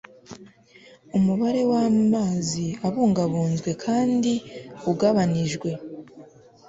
umubare w'amazi abungabunzwe kandi ugabanijwe